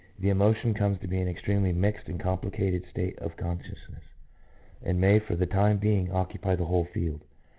The emotion comes to be an extremely mixed and complicated state of consciousness, and may for the time being occupy the whole field.